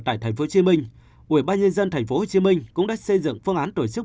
tại tp hcm ubnd tp hcm cũng đã xây dựng phương án tổ chức